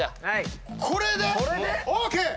これでＯＫ